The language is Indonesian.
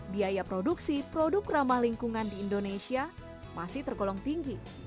biaya produksi produk ramah lingkungan di indonesia masih tergolong tinggi